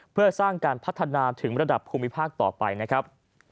เพื่อสร้างการพัฒนาถึงระดับภูมิภาคต่อไปนะครับ